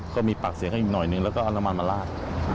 ก็มีปากเสียงให้หน่อยหนึ่งแล้วก็เอาละมันมาลาด